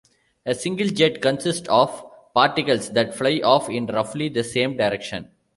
A single jet consists of particles that fly off in roughly the same direction.